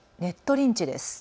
リンチです。